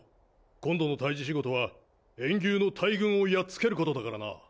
今度の退治仕事は炎牛の大群をやっつけることだからな。